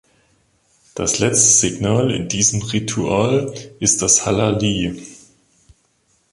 Das letzte Signal in diesem Ritual ist das Halali.